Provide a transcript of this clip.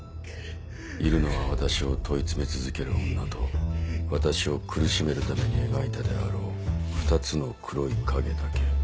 いるのは私を問い詰め続ける女と私を苦しめるために描いたであろう２つの黒い影だけ」。